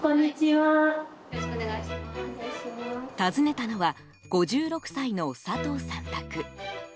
訪ねたのは５６歳の佐藤さん宅。